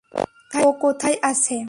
ও কোথায় আছে?